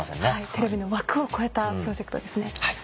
テレビの枠を超えたプロジェクトですね。